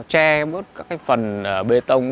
che mất các phần bê tông